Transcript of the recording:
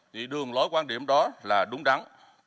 thì đường lối quan điểm đó là đúng đắn